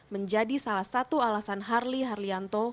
menjadi salah satu alasan harley harlianto